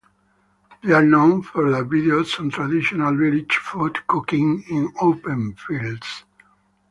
They are known for their videos on traditional village food cooking in open fields.